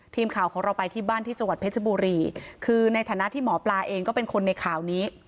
ทีมข่าวของเราไปที่บ้านที่จังหวัดเพชรบุรีคือในฐานะที่หมอปลาเองก็เป็นคนในข่าวนี้